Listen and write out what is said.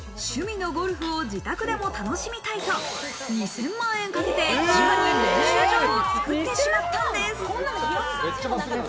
趣味のゴルフを自宅でも楽しみたいと、２０００万円かけて地下に練習場を作ってしまったんです。